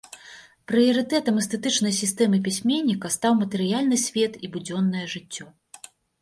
Прыярытэтам эстэтычнай сістэмы пісьменніка стаў матэрыяльны свет і будзённае жыццё.